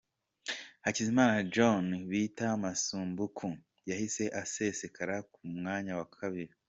Hakizimana John bita Masumbuko yahise ahasesekara ku mwanya kabiri.